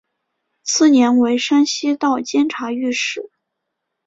次年为山西道监察御史。